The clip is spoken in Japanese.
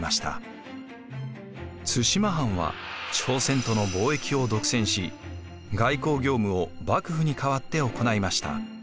対馬藩は朝鮮との貿易を独占し外交業務を幕府に代わって行いました。